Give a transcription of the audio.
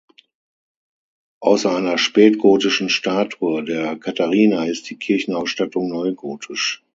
Außer einer spätgotischen Statue der Katharina ist die Kirchenausstattung neugotisch.